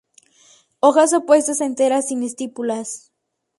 Hojas opuestas, enteras, sin estípulas.